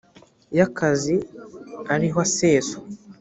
y akazi ariho aseswa